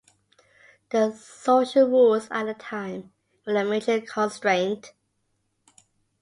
The social rules at the time were a major constraint.